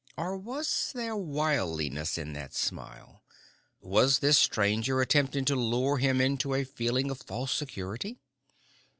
Or was there wiliness in that smile? Was this stranger attempting to lure him into a feeling of false security?